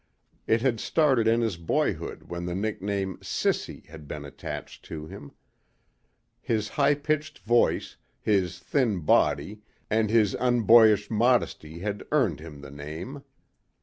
It had started in his boyhood when the nickname "Sissy" had been attached to him. His high pitched voice, his thin body and his unboyish modesty had earned him the name.